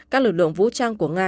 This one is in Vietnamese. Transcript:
các lực lượng vũ trang của nga